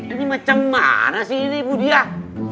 ini macam mana sih ini budiah